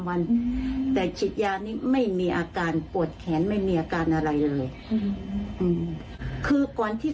โดยเฉพาะคนที่เป็นพวกพยาบาลกับหมอ